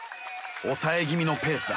抑え気味のペースだ。